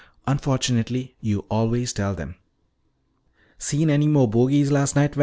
"Unfortunately you always tell them. See any more bogies last night, Val?